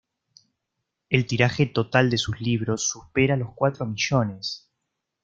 El tiraje total de sus libros supera los cuatro millones.